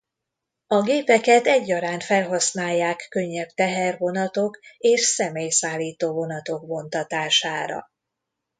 A gépeket egyaránt felhasználják könnyebb tehervonatok és személyszállító vonatok vontatására.